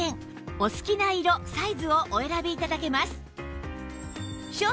お好きな色サイズをお選び頂けます